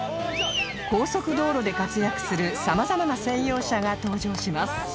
高速道路で活躍する様々な専用車が登場します